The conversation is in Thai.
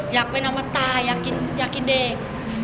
อยากไปน้ำมะตาอยากกินเด็ก